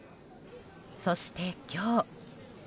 そして、今日。